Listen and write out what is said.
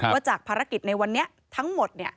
ว่าจากภารกิจในวันนี้ทั้งหมด